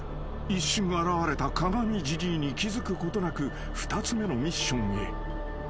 一瞬現れた鏡じじいに気付くことなく２つ目のミッションへ］